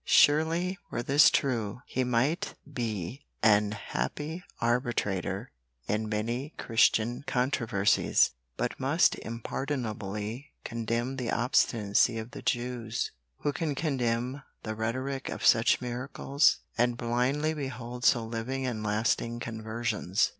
Surely were this true, he might be an happy arbitrator in many Christian controversies; but must impardonably condemn the obstinacy of the Jews, who can contemn the Rhetorick of such miracles, and blindly behold so living and lasting conversions."